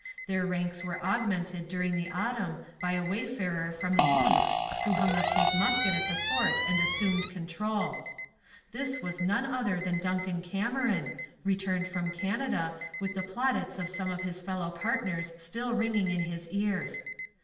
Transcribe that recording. Their ranks were augmented during the autumn by a wayfarer from the east who hung up his musket at the fort and assumed control. This was none other than Duncan Cameron, returned from Canada, with the plaudits of some of his fellow partners still ringing in his ears.